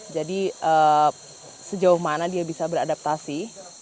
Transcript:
jadi sejauh mana dia bisa beradaptasi